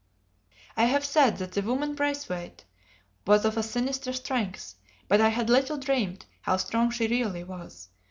I have said that the woman Braithwaite was of a sinister strength; but I had little dreamt how strong she really was.